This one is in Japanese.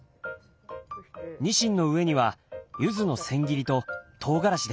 ニシンの上にはゆずの千切りととうがらしです。